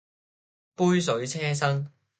杯水車薪